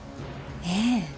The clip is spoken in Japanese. ええ。